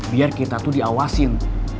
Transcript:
biar kita tuh diawasin